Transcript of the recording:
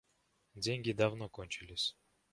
Деньги давно кончились.